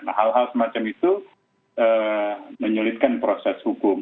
nah hal hal semacam itu menyulitkan proses hukum